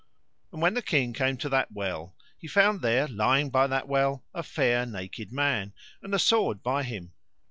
And when the king came to that well he found there lying by that well a fair naked man, and a sword by him.